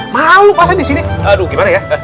malu pasti di sini aduh gimana ya